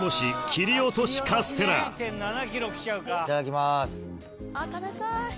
いただきます。